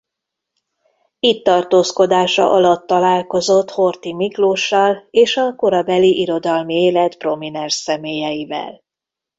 Itt tartózkodása alatt találkozott Horthy Miklóssal és a korabeli irodalmi élet prominens személyeivel.